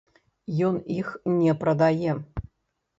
Ён іх не прадае.